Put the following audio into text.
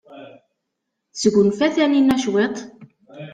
Tesgunfa Taninna cwiṭ?